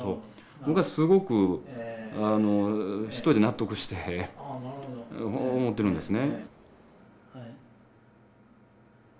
僕はすごく１人納得して思ってるんですね。